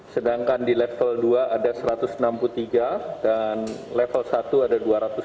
sedangkan di level dua ada satu ratus enam puluh tiga dan level satu ada dua ratus dua puluh